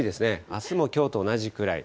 あすもきょうと同じくらい。